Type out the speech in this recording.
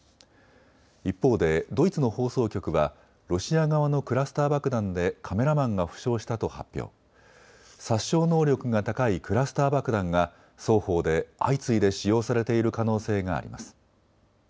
一方でドイツの放送局はロシア側のクラスター爆弾でカメラマンが負傷したと発表、殺傷能力が高いクラスター爆弾が双方で相次いで使用されている可能性があります。